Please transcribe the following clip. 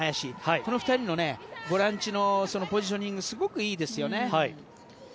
この２人のボランチのポジショニングすごくいいですよね。